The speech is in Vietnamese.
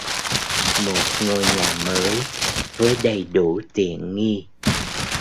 Một ngôi nhà mới với đầy đủ tiện nghi